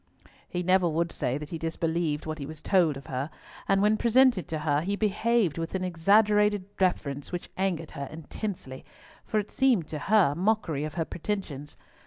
He never would say that he disbelieved what he was told of her; and when presented to her, he behaved with an exaggerated deference which angered her intensely, for it seemed to her mockery of her pretensions.